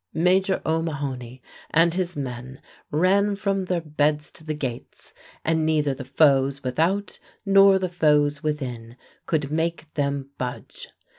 Major O'Mahony and his men ran from their beds to the gates, and neither the foes without nor the foes within could make them budge.